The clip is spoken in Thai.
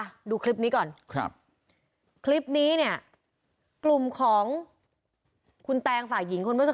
หนูบอกว่าแล้วก่อนที่แพ้ท้องทำไมไม่ดูแลหนูเลยอะไรแบบนี้